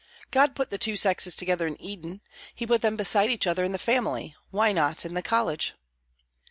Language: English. God put the two sexes together in Eden, He put them beside each other in the family. Why not in the college?